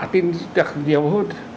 tin nhiều hơn